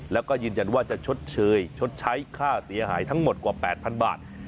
แล้วก็ยืนยันว่าจะชดเชยชดใช้ค่าเสียหายทั้งหมดกว่า๘๐๐๐บาท